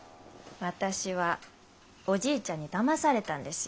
私はおじいちゃんにだまされたんですよ。